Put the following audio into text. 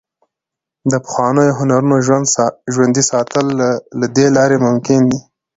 د پخوانیو هنرونو ژوندي ساتل له دې لارې ممکن دي.